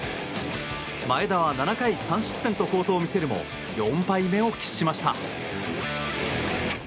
前田は７回３失点と好投を見せるも４敗目を喫しました。